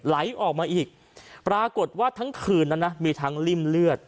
ไหลออกมาอีกปรากฏว่าทั้งคืนนั้นนะมีทั้งริ่มเลือด